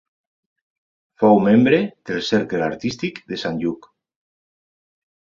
Fou membre del Cercle Artístic de Sant Lluc.